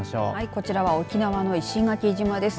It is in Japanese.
こちらは沖縄の石垣島です。